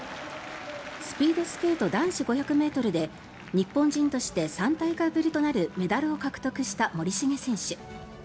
スピードスケート男子５００ｍで日本人として３大会ぶりとなるメダルを獲得した森重選手。